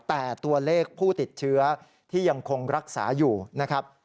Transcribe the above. แต่ตัวเลขผู้ติดเชื้อที่ยังคงรักษาอยู่นะครับ